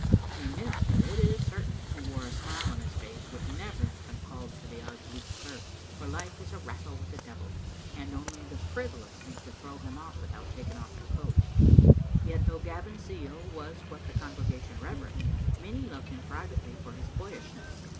A minister, it is certain, who wore a smile on his face would never have been called to the Auld Licht kirk, for life is a wrestle with the devil, and only the frivolous think to throw him without taking off their coats. Yet, though Gavin's zeal was what the congre gation reverenced, many loved him privately for his boyishness.